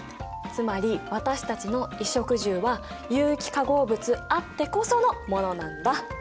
つまり私たちの衣食住は有機化合物あってこそのものなんだ。